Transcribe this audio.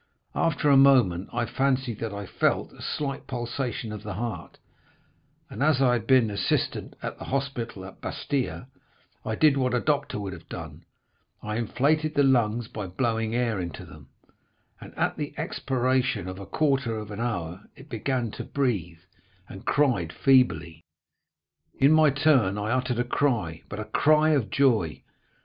After a moment I fancied that I felt a slight pulsation of the heart, and as I had been assistant at the hospital at Bastia, I did what a doctor would have done—I inflated the lungs by blowing air into them, and at the expiration of a quarter of an hour, it began to breathe, and cried feebly. In my turn I uttered a cry, but a cry of joy.